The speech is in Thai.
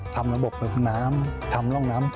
ทำระบบน้ำทำร่องน้ำ